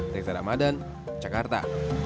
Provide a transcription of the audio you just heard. dari tadak madan jakarta